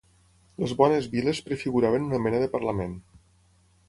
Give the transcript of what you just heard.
Les bones viles prefiguraven una mena de parlament.